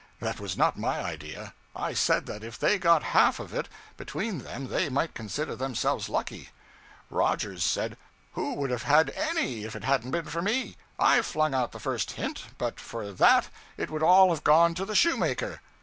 That was not my idea. I said that if they got half of it between them they might consider themselves lucky. Rogers said 'Who would have had _any _if it hadn't been for me? I flung out the first hint but for that it would all have gone to the shoemaker.'